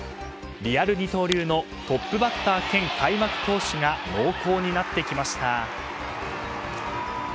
リアル二刀流のトップバッター兼開幕投手が濃厚になってきました。